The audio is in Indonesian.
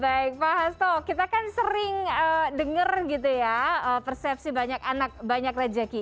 baik pak hasto kita kan sering dengar gitu ya persepsi banyak anak banyak rejeki